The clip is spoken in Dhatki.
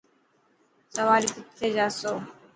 سواري ڪٿي جاسو.